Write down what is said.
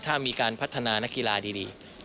ถ้ามีการพัฒนานักกีฬาดี